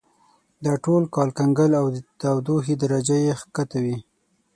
دا ټول کال کنګل او تودوخې درجه یې کښته وي.